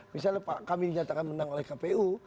misalnya pak kami dinyatakan menang oleh kpu